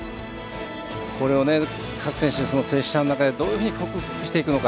これを各選手プレッシャーの中でどういうふうに克服していくのか。